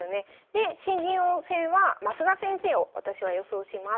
で新人王戦は増田先生を私は予想します。